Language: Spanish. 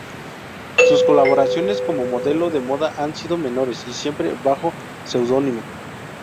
Sus colaboraciones como modelo de moda han sido menores, y siempre bajo pseudónimo.